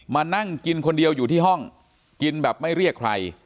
มานั่งกินคนเดียวอยู่ที่ห้องกินแบบไม่เรียกใคร